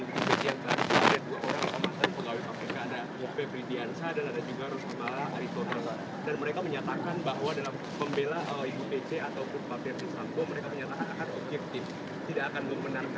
kenapa dari kosong